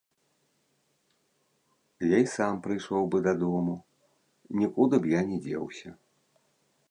Я і сам прыйшоў бы дадому, нікуды б я не дзеўся.